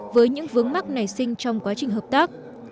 với những vướng mắt nảy sinh trong quá trình hợp tác